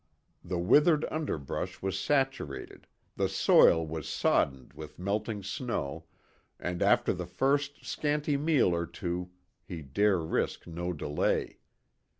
The withered underbush was saturated, the soil was soddened with melting snow, and after the first scanty meal or two he dare risk no delay.